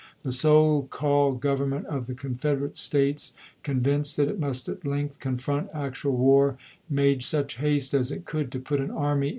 The so called Government of the Confederate States, convinced that it must at length confront actual war, made such haste as it could to put an army in 88 ABEAHAM LINCOLN Chap.